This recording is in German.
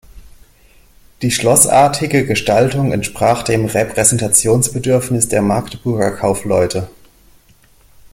Die schlossartige Gestaltung entsprach dem Repräsentationsbedürfnis der Magdeburger Kaufleute.